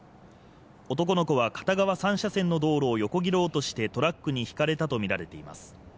男の子は片側３車線の道路を横切ろうとしてトラックにひかれたとみられています。